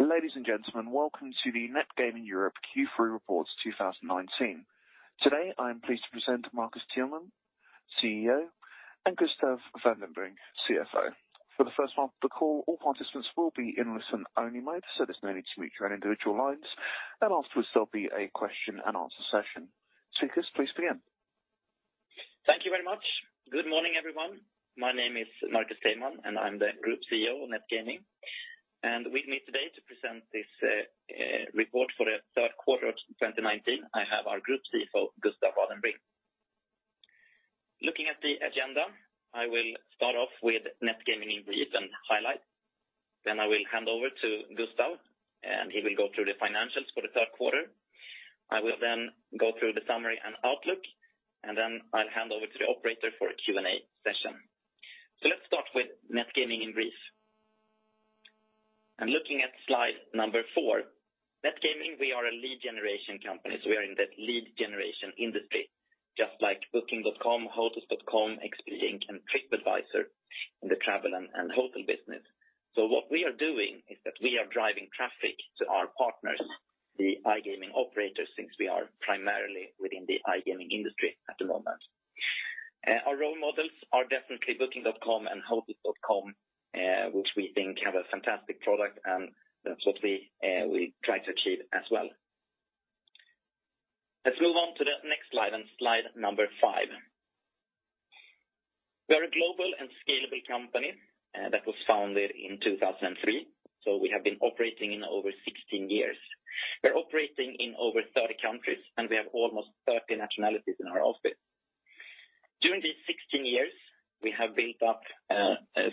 Ladies and gentlemen, welcome to the Net Gaming Europe Q3 Reports 2019. Today, I am pleased to present Marcus Teilman, CEO, and Gustav Vadenbring, CFO. For the first part of the call, all participants will be in listen-only mode, so there's no need to mute your individual lines. And afterwards, there'll be a question and answer session. Speakers, please begin. Thank you very much. Good morning, everyone. My name is Marcus Teilman, and I'm the Group CEO of Net Gaming. We've met today to present this report for the third quarter of 2019. I have our Group CFO, Gustav Vadenbring. Looking at the agenda, I will start off with Net Gaming in brief and highlight. Then I will hand over to Gustav, and he will go through the financials for the third quarter. I will then go through the summary and outlook, and then I'll hand over to the operator for a Q&A session. Let's start with Net Gaming in brief. Looking at slide number four, Net Gaming, we are a lead generation company. We are in the lead generation industry, just like Booking.com, Hotels.com, Expedia Inc, and TripAdvisor in the travel and hotel business. So what we are doing is that we are driving traffic to our partners, the iGaming operators, since we are primarily within the iGaming industry at the moment. Our role models are definitely Booking.com and Hotels.com, which we think have a fantastic product, and that's what we try to achieve as well. Let's move on to the next slide, and slide number five. We are a global and scalable company that was founded in 2003. So we have been operating in over 16 years. We're operating in over 30 countries, and we have almost 30 nationalities in our office. During these 16 years, we have built up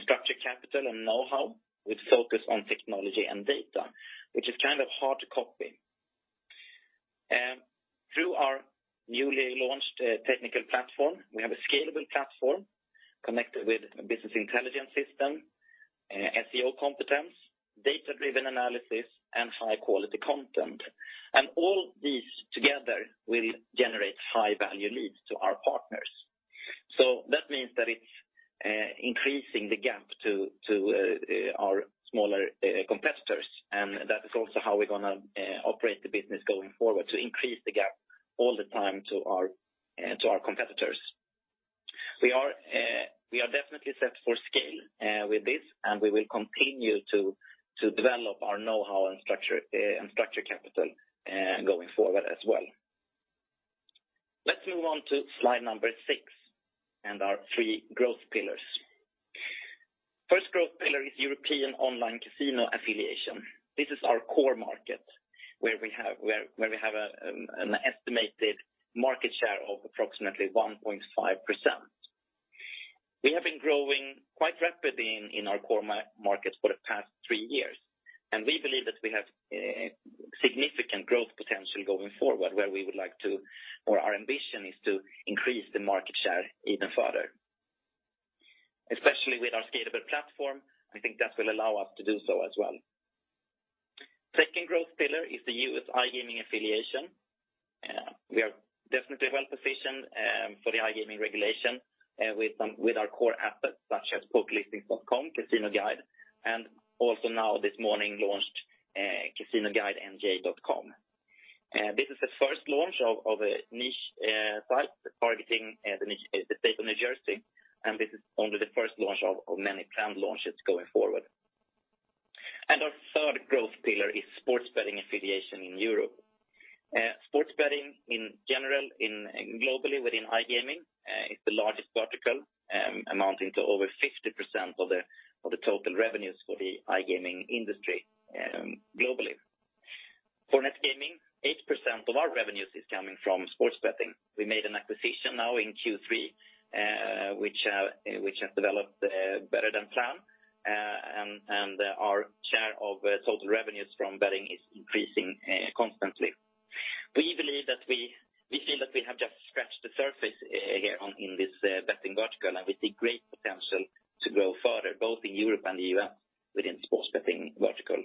structured capital and know-how with focus on technology and data, which is kind of hard to copy. Through our newly launched technical platform, we have a scalable platform connected with a business intelligence system, SEO competence, data-driven analysis, and high-quality content. All these together will generate high-value leads to our partners. That means that it's increasing the gap to our smaller competitors. That is also how we're going to operate the business going forward, to increase the gap all the time to our competitors. We are definitely set for scale with this, and we will continue to develop our know-how and structured capital going forward as well. Let's move on to slide number six and our three growth pillars. First growth pillar is European online casino affiliation. This is our core market, where we have an estimated market share of approximately 1.5%. We have been growing quite rapidly in our core market for the past three years, and we believe that we have significant growth potential going forward, where we would like to, or our ambition is to increase the market share even further. Especially with our scalable platform, I think that will allow us to do so as well. Second growth pillar is the U.S. iGaming affiliation. We are definitely well positioned for the iGaming regulation with our core assets, such as PokerListings.com, CasinoGuide, and also now this morning launched CasinoGuideNJ.com. This is the first launch of a niche site targeting the state of New Jersey, and this is only the first launch of many planned launches going forward. And our third growth pillar is sports betting affiliation in Europe. Sports betting in general, globally within iGaming, is the largest vertical, amounting to over 50% of the total revenues for the iGaming industry globally. For Net Gaming, 8% of our revenues is coming from sports betting. We made an acquisition now in Q3, which has developed better than planned, and our share of total revenues from betting is increasing constantly. We believe that we feel that we have just scratched the surface here in this betting vertical, and we see great potential to grow further, both in Europe and the U.S. within the sports betting vertical.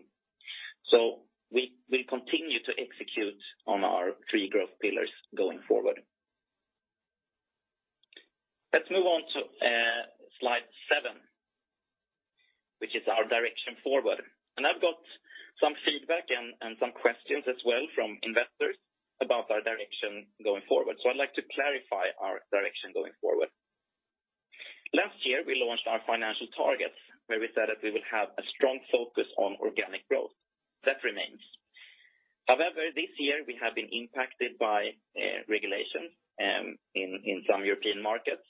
So we will continue to execute on our three growth pillars going forward. Let's move on to slide seven, which is our direction forward. And I've got some feedback and some questions as well from investors about our direction going forward. So I'd like to clarify our direction going forward. Last year, we launched our financial targets, where we said that we will have a strong focus on organic growth. That remains. However, this year, we have been impacted by regulations in some European markets,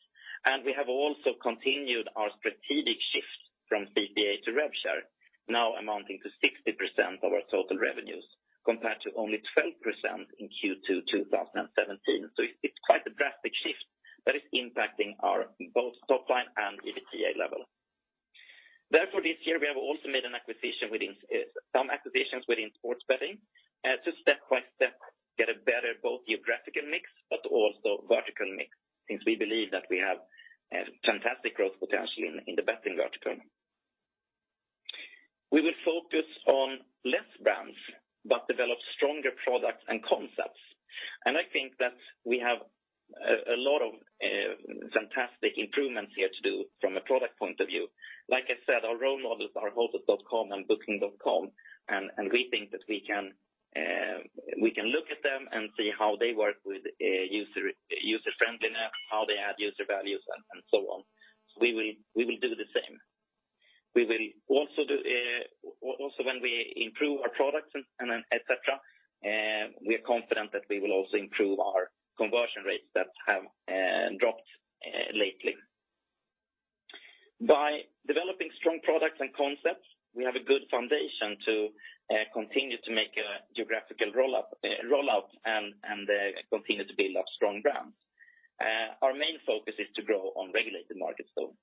and we have also continued our strategic shift from CPA to RevShare, now amounting to 60% of our total revenues, compared to only 12% in Q2 2017. It's quite a drastic shift that is impacting our both top line and EBITDA level. Therefore, this year, we have also made some acquisitions within sports betting to step by step get a better both geographical mix, but also vertical mix, since we believe that we have fantastic growth potential in the betting vertical. We will focus on less brands, but develop stronger products and concepts. I think that we have a lot of fantastic improvements here to do from a product point of view. Like I said, our role models are Hotels.com and Booking.com, and we think that we can look at them and see how they work with user-friendliness, how they add user values, and so on. We will do the same. Also, when we improve our products, etc., we are confident that we will also improve our conversion rates that have dropped lately. By developing strong products and concepts, we have a good foundation to continue to make a geographical rollout and continue to build up strong brands. Our main focus is to grow on regulated markets, though.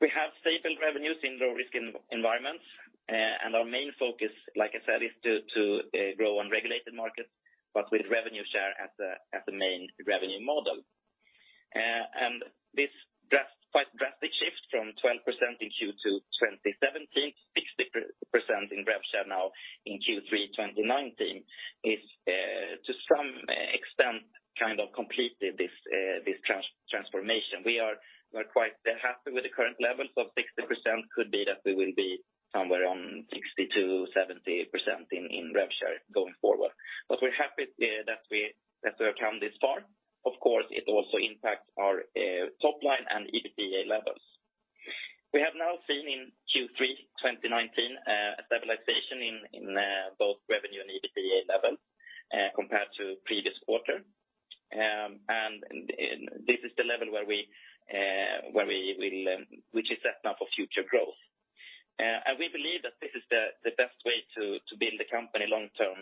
We have stable revenues in low-risk environments, and our main focus, like I said, is to grow on regulated markets, but with revenue share as the main revenue model, and this quite drastic shift from 12% in Q2 2017 to 60% in RevShare now in Q3 2019 is, to some extent, kind of completed this transformation. We are quite happy with the current levels of 60%. It could be that we will be somewhere on 60%-70% in RevShare going forward, but we're happy that we have come this far. Of course, it also impacts our top line and EBITDA levels. We have now seen in Q3 2019 a stabilization in both revenue and EBITDA levels compared to the previous quarter. This is the level where we will be set now for future growth. We believe that this is the best way to build the company long-term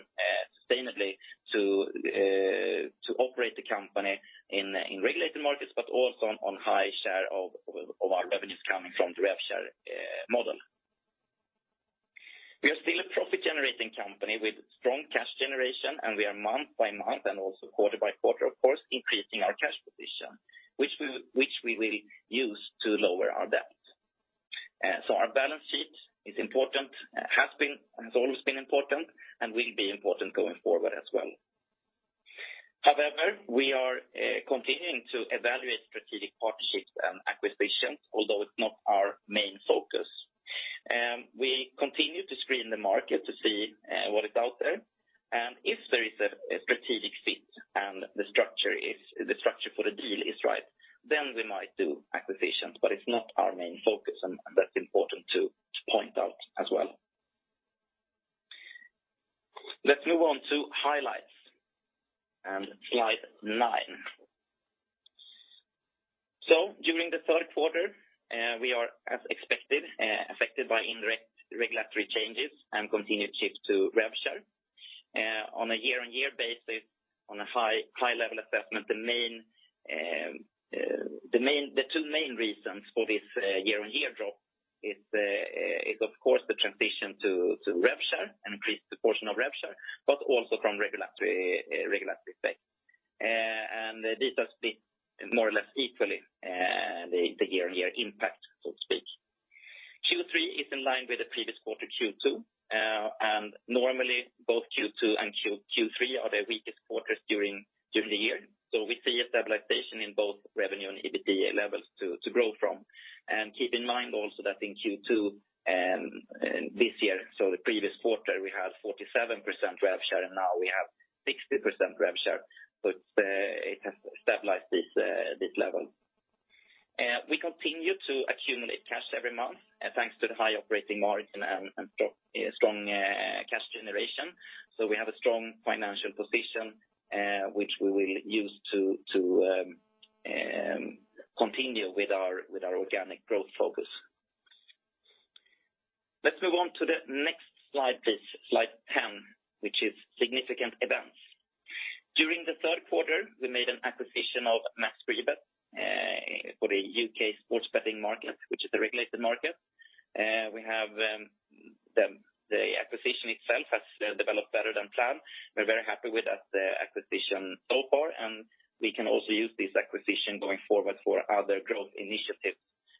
sustainably, to operate the company in regulated markets, but also on high share of our revenues coming from the RevShare model. We are still a profit-generating company with strong cash generation, and we are month-by-month and also quarter-by-quarter, of course, increasing our cash position, which we will use to lower our debt. Our balance sheet is important, has always been important, and will be important going forward as well. However, we are continuing to evaluate strategic partnerships and acquisitions, So we see a stabilization in both revenue and EBITDA levels to grow from. And keep in mind also that in Q2 this year, so the previous quarter, we had 47% RevShare, and now we have 60% RevShare. So it has stabilized these levels. We continue to accumulate cash every month, thanks to the high operating margin and strong cash generation. So we have a strong financial position, which we will use to continue with our organic growth focus. Let's move on to the next slide, please, slide 10, which is significant events. During the third quarter, we made an acquisition of MaxFreeBets for the UK sports betting market, which is a regulated market. We have the acquisition itself has developed better than planned. We're very happy with that acquisition so far, and we can also use this acquisition going forward for other growth initiatives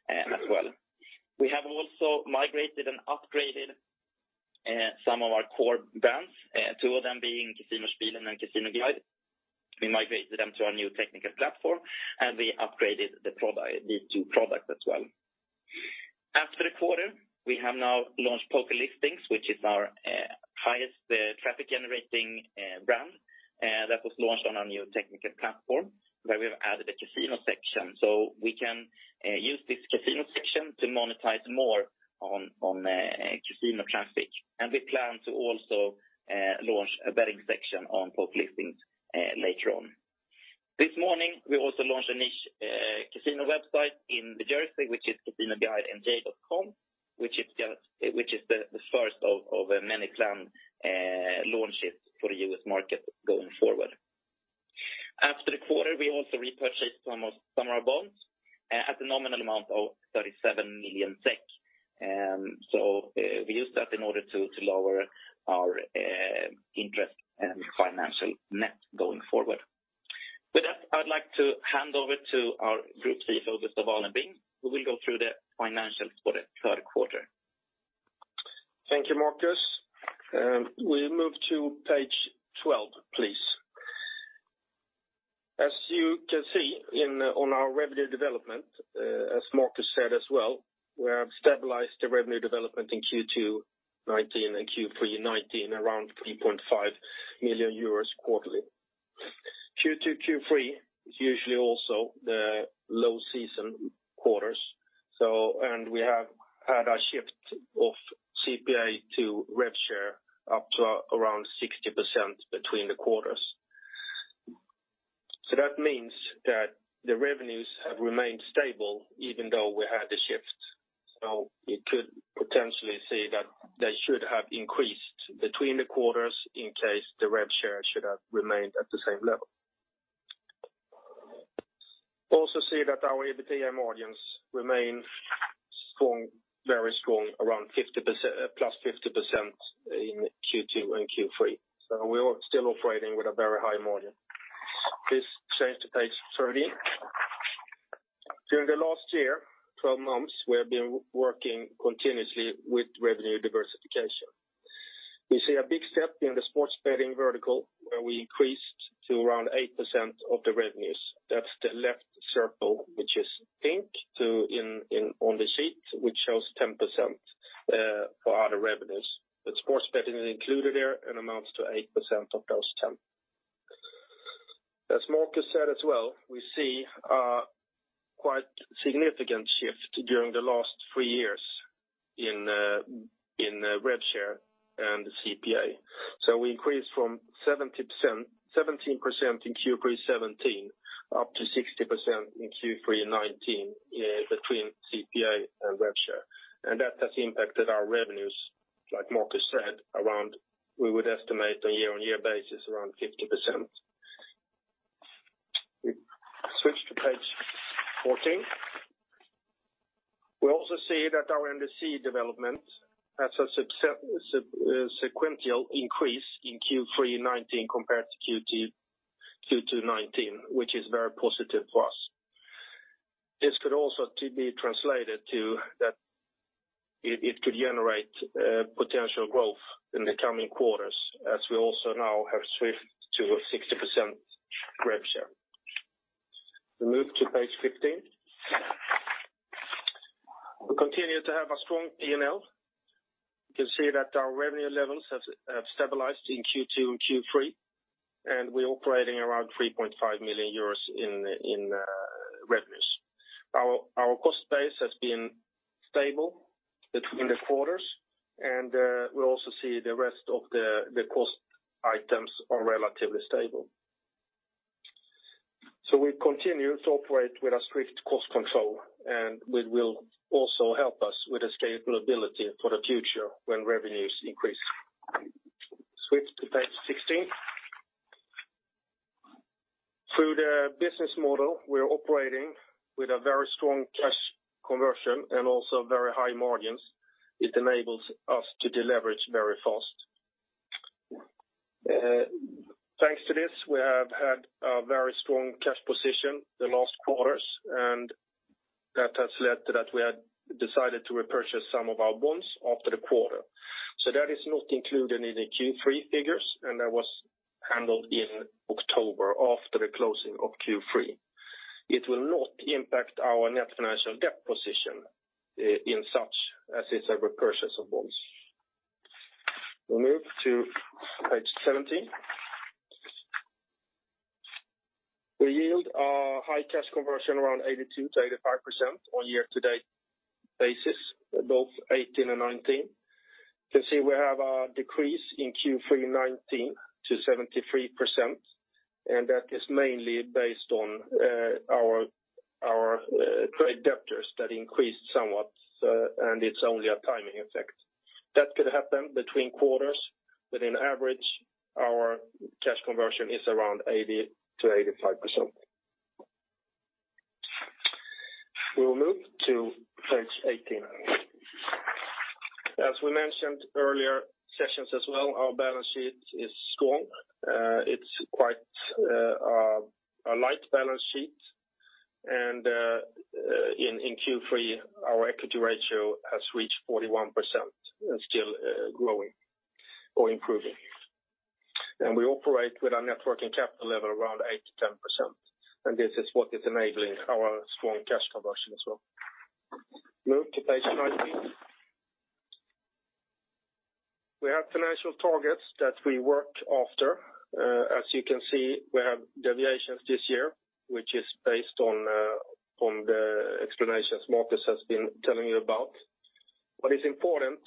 as well. We have also migrated and upgraded some of our core brands, two of them being CasinoSpielen and CasinoGuide. We migrated them to our new technical platform, and we upgraded the two products as well. After the quarter, we have now launched PokerListings, which is our highest traffic-generating brand that was launched on our new technical platform, where we have added a casino section. So we can use this casino section to monetize more on casino traffic. And we plan to also launch a betting section on PokerListings later on. This morning, we also launched a niche casino website in New Jersey, which is CasinoGuideNJ.com, which is the first of many planned launches for the US market going forward. After the quarter, we also repurchased some of our bonds at a nominal amount of 37 million SEK. So we used that in order to lower our interest and financial net going forward. With that, I'd like to hand over to our Group CFO, Gustav Vadenbring, who will go through the financials for the third quarter. Thank you, Marcus. We move to page 12, please. As you can see on our revenue development, as Marcus said as well, we have stabilized the revenue development in Q2 2019 and Q3 2019 around 3.5 million euros quarterly. Q2, Q3 is usually also the low season quarters. And we have had a shift of CPA to RevShare up to around 60% between the quarters. So that means that the revenues have remained stable even though we had the shift. So you could potentially see that they should have increased between the quarters in case the RevShare should have remained at the same level. Also, see that our EBITDA margins remain very strong, around +50% in Q2 and Q3. So we are still operating with a very high margin. Please change to page 13. During the last year, 12 months, we have been working continuously with revenue diversification. We see a big step in the sports betting vertical, where we increased to around 8% of the revenues. That's the left circle, which is pink on the sheet, which shows 10% for other revenues. But sports betting is included there and amounts to 8% of those 10. As Marcus said as well, we see a quite significant shift during the last three years in RevShare and CPA. So we increased from 17% in Q3 2017 up to 60% in Q3 2019 between CPA and RevShare. And that has impacted our revenues, like Marcus said, around we would estimate on a year-on-year basis around 50%. We switch to page 14. We also see that our industry development has a sequential increase in Q3 2019 compared to Q2 2019, which is very positive for us. This could also be translated to that it could generate potential growth in the coming quarters, as we also now have switched to 60% RevShare. We move to page 15. We continue to have a strong P&L. You can see that our revenue levels have stabilized in Q2 and Q3, and we are operating around 3.5 million euros in revenues. Our cost base has been stable between the quarters, and we also see the rest of the cost items are relatively stable. So we continue to operate with a strict cost control, and it will also help us with the scalability for the future when revenues increase. Switch to page 16. Through the business model, we are operating with a very strong cash conversion and also very high margins. It enables us to deleverage very fast. Thanks to this, we have had a very strong cash position the last quarters, and that has led to that we had decided to repurchase some of our bonds after the quarter. So that is not included in the Q3 figures, and that was handled in October after the closing of Q3. It will not impact our net financial debt position in such as it's a repurchase of bonds. We move to page 17. We yield a high cash conversion around 82%-85% on a year-to-date basis, both 2018 and 2019. You can see we have a decrease in Q3 2019 to 73%, and that is mainly based on our debtors that increased somewhat, and it's only a timing effect. That could happen between quarters, but on average, our cash conversion is around 80%-85%. We will move to page 18. As we mentioned earlier sessions as well, our balance sheet is strong. It's quite a light balance sheet, and in Q3, our equity ratio has reached 41% and is still growing or improving, and we operate with our net working capital level around 8%-10%. And this is what is enabling our strong cash conversion as well. Move to page 19. We have financial targets that we work after. As you can see, we have deviations this year, which is based on the explanations Marcus has been telling you about. What is important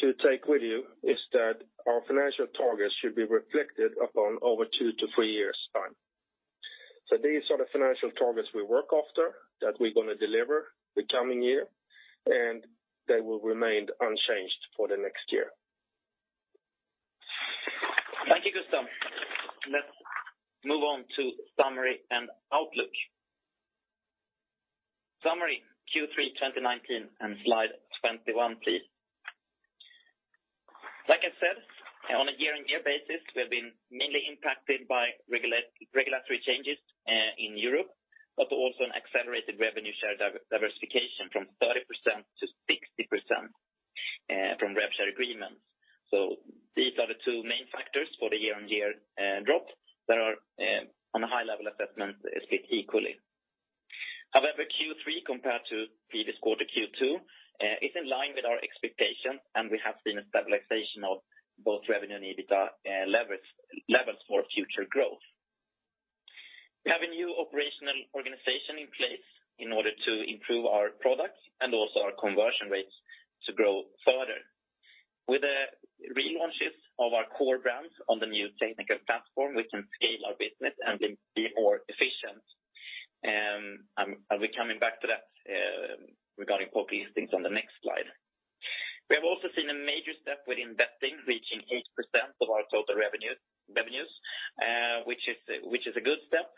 to take with you is that our financial targets should be reflected upon over two to three years' time. These are the financial targets we work after that we're going to deliver the coming year, and they will remain unchanged for the next year. Thank you, Gustav. Let's move on to summary and outlook. Summary Q3 2019 and slide 21, please. Like I said, on a year-on-year basis, we have been mainly impacted by regulatory changes in Europe, but also an accelerated revenue share diversification from 30%-60% from RevShare agreements. These are the two main factors for the year-on-year drop that are, on a high-level assessment, split equally. However, Q3 compared to previous quarter Q2 is in line with our expectations, and we have seen a stabilization of both revenue and EBITDA levels for future growth. We have a new operational organization in place in order to improve our products and also our conversion rates to grow further. With the relaunches of our core brands on the new technical platform, we can scale our business and be more efficient. And we're coming back to that regarding PokerListings on the next slide. We have also seen a major step within betting reaching 8% of our total revenues, which is a good step.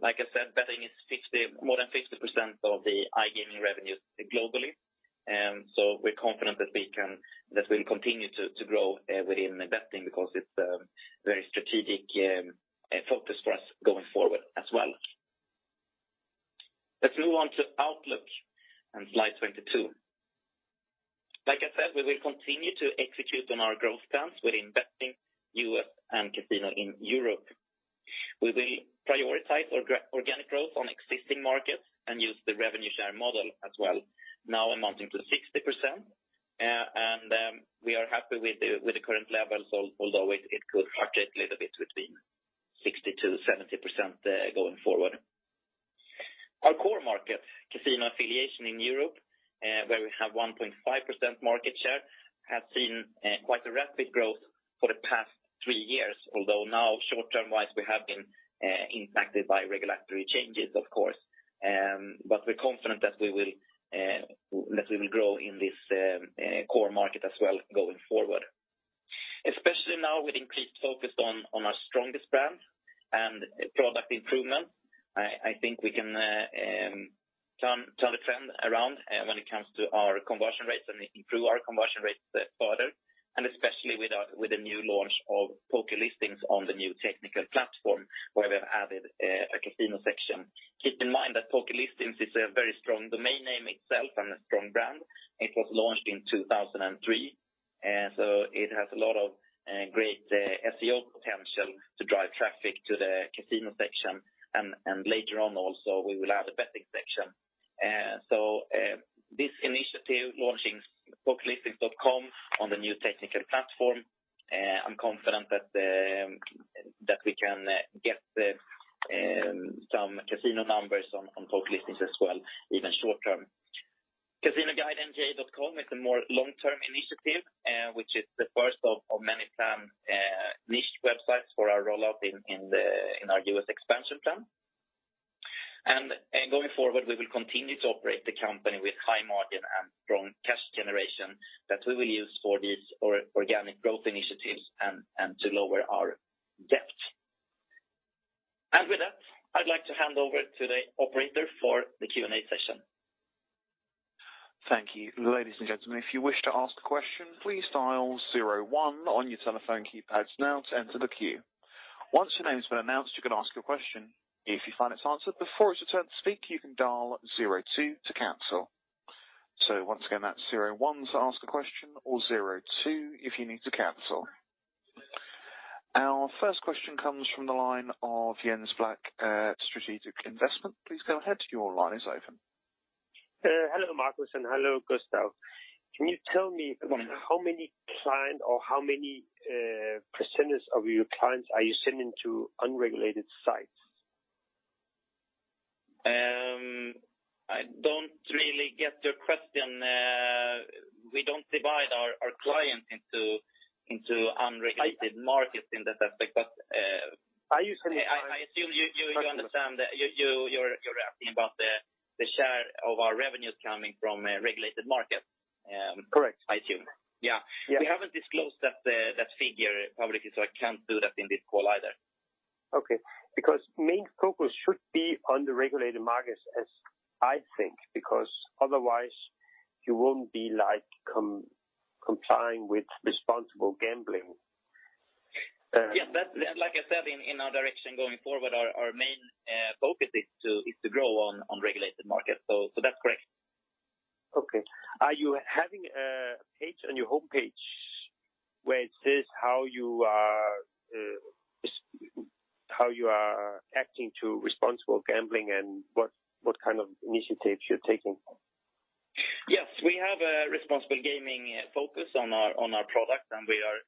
Like I said, betting is more than 50% of the iGaming revenues globally. So we're confident that we'll continue to grow within betting because it's a very strategic focus for us going forward as well. Let's move on to outlook and slide 22. Like I said, we will continue to execute on our growth plans within betting, U.S., and casino in Europe. We will prioritize organic growth on existing markets and use the revenue share model as well, now amounting to 60%. We are happy with the current levels, although it could fluctuate a little bit between 60%-70% going forward. Our core market, casino affiliation in Europe, where we have 1.5% market share, has seen quite a rapid growth for the past three years, although now, short-term-wise, we have been impacted by regulatory changes, of course. We're confident that we will grow in this core market as well going forward. Especially now with increased focus on our strongest brands and product improvements, I think we can turn the trend around when it comes to our conversion rates and improve our conversion rates further. Especially with the new launch of PokerListings on the new technical platform, where we have added a casino section. Keep in mind that PokerListings is a very strong domain name itself and a strong brand. It was launched in 2003. So it has a lot of great SEO potential to drive traffic to the casino section. And later on, also, we will add a betting section. So this initiative, launching PokerListings.com on the new technical platform, I'm confident that we can get some casino numbers on PokerListings as well, even short-term. CasinoGuideNJ.com is a more long-term initiative, which is the first of many planned niche websites for our rollout in our U.S. expansion plan. And going forward, we will continue to operate the company with high margin and strong cash generation that we will use for these organic growth initiatives and to lower our debt. And with that, I'd like to hand over to the operator for the Q&A session. Thank you, ladies and gentlemen. If you wish to ask a question, please dial zero one on your telephone keypads now to enter the queue. Once your name has been announced, you can ask a question. If you find it's answered before it's your turn to speak, you can dial zero two to cancel. So once again, that's zero one to ask a question or zero two if you need to cancel. Our first question comes from the line of Jens Black at Strategic Investments. Please go ahead. Your line is open. Hello, Marcus, and hello, Gustav. Can you tell me how many clients or how many percentage of your clients are you sending to unregulated sites? I don't really get your question. We don't divide our clients into unregulated markets in that aspect, but I assume you understand that you're asking about the share of our revenues coming from regulated markets. Correct, I assume? Yeah. We haven't disclosed that figure publicly, so I can't do that in this call either. Okay, because main focus should be on the regulated markets, as I think, because otherwise, you won't be complying with responsible gambling. Yes. Like I said, in our direction going forward, our main focus is to grow on regulated markets. So that's correct. Okay. Are you having a page on your homepage where it says how you are acting to responsible gambling and what kind of initiatives you're taking? Yes. We have a responsible gaming focus on our product, and we are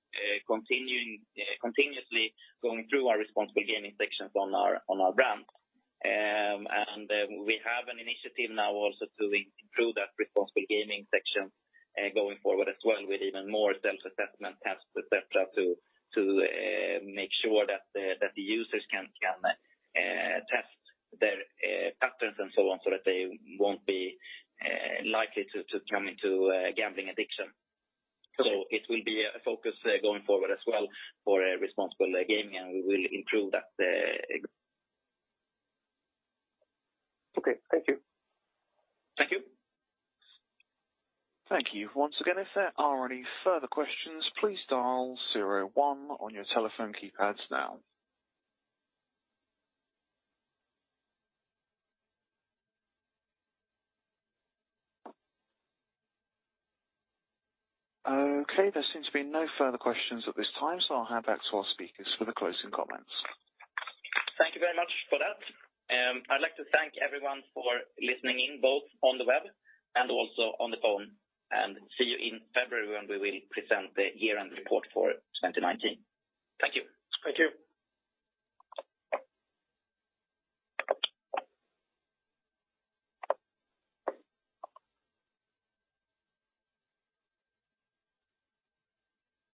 continuously going through our responsible gaming sections on our brand. And we have an initiative now also to improve that responsible gaming section going forward as well with even more self-assessment tests, etc., to make sure that the users can test their patterns and so on so that they won't be likely to come into gambling addiction. So it will be a focus going forward as well for responsible gaming, and we will improve that. Okay. Thank you. Thank you. Thank you. Once again, if there are any further questions, please dial zero one on your telephone keypads now. Okay. There seems to be no further questions at this time, so I'll hand back to our speakers for the closing comments. Thank you very much for that. I'd like to thank everyone for listening in both on the web and also on the phone, and see you in February when we will present the year-end report for 2019. Thank you. Thank you.